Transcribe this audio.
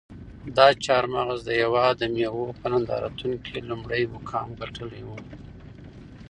دا چهارمغز د هېواد د مېوو په نندارتون کې لومړی مقام ګټلی و.